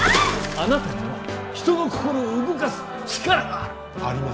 あなたには人の心を動かす力がある！